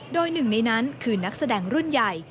โดยหนึ่งในนั้นคือนักแสดงรุ่นใหญ่